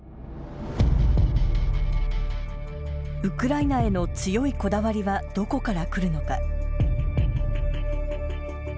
ウクライナへの強いこだわりはどこからくるのか。